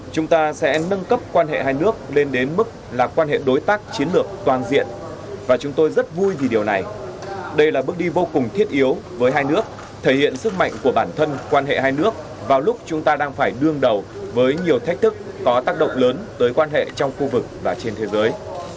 chúng ta sẽ nâng cấp quan hệ hai nước lên đến mức là quan hệ đối tác chiến lược toàn diện và chúng tôi rất vui vì điều này đây là bước đi vô cùng thiết yếu với hai nước thể hiện sức mạnh của bản thân quan hệ hai nước vào lúc chúng ta đang phải đương đầu với nhiều thách thức có tác động lớn tới quan hệ trong khu vực và trên thế giới